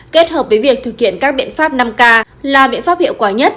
kết hợp với việc thực hiện các biện pháp năm k là biện pháp hiệu quả nhất